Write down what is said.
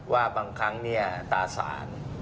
ว่าบางครั้งเนี่ยตราสาร